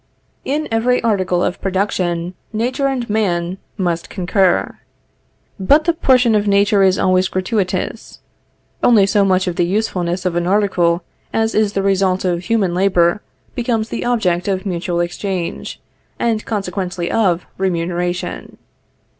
In every article of production, nature and man must concur. But the portion of nature is always gratuitous. Only so much of the usefulness of an article as is the result of human labor becomes the object of mutual exchange, and consequently of remuneration.